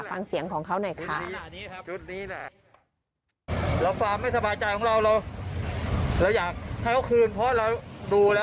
ฟังเสียงของเขาหน่อยค่ะ